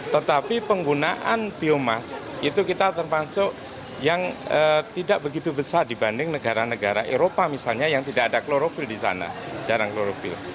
tetapi penggunaan biomas itu kita termasuk yang tidak begitu besar dibanding negara negara eropa misalnya yang tidak ada klorofil di sana jarang klorofil